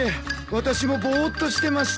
私もぼーっとしてました。